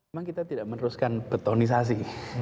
memang kita tidak meneruskan betonisasi